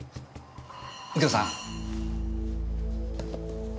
右京さん。